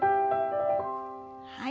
はい。